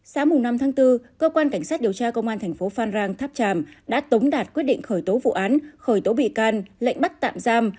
sáng năm tháng bốn cơ quan cảnh sát điều tra công an thành phố phan rang tháp tràm đã tống đạt quyết định khởi tố vụ án khởi tố bị can lệnh bắt tạm giam